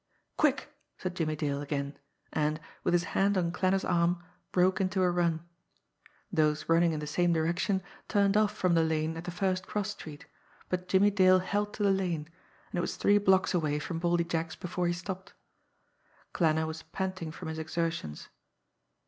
"Quick!" said Jimmie Dale again and, with his hand on Klanner's arm, broke into a run. Those running in the same direction turned off from the lane at the first cross street; but Jimmie Dale held to the lane, and it was three blocks away from Baldy Jack's before he stopped. Klanner was panting from his exertions.